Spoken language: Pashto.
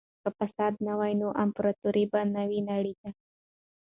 که فساد نه وای نو امپراطورۍ به نه نړېده.